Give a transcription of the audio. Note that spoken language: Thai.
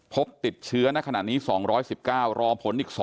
พบติดเชื้อน่ะขนาดนี้๒๑๙รอผลอีก๒๐๐๑